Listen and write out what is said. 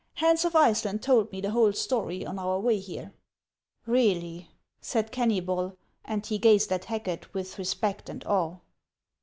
Hans of Iceland told me the whole story on our way here." " Really !" said Kennybol ; and he gazed at Hacket with respect and awe.